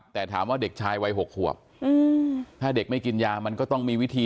แต่ถามว่าเด็กชายวัย๖ขวบถ้าเด็กไม่กินยามันก็ต้องมีวิธี